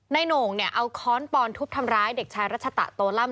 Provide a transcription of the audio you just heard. โหน่งเนี่ยเอาค้อนปอนทุบทำร้ายเด็กชายรัชตะโตล่ำ